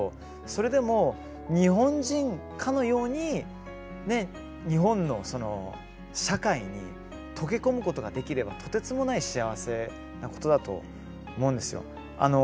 それでも日本人かのように、ね日本の社会に溶け込むことができれば、とてつもない幸せなことだと思うんですよ。